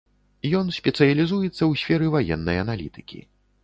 Ён спецыялізуецца ў сферы ваеннай аналітыкі.